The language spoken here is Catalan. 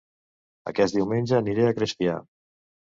Aquest diumenge aniré a Crespià